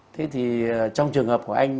thế thì trong trường hợp của anh